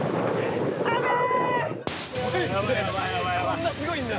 こんなすごいんだ。